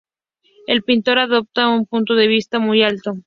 El pintor adopta un punto de vista muy alto.